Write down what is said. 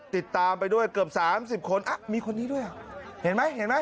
ติดตามไปด้วยเกือบ๓๐คนอ้ะมีคนนี้ด้วยเห็นไหม